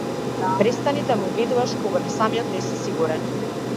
Престани да ме убедуваш кога ни самиот не си сигурен.